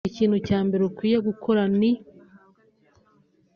ikintu cya mbere ukwiye gukora ni